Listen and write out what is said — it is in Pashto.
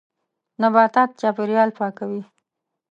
نباتات چاپېریال پاکوي.